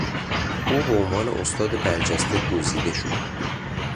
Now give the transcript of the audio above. او به عنوان استاد برجسته گزیده شد.